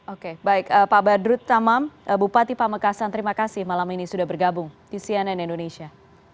oke baik pak badrut tamam bupati pamekasan terima kasih malam ini sudah bergabung di cnn indonesia